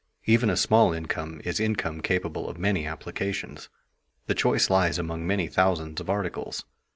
_ Even a small income is income capable of many applications. The choice lies among many thousands of articles.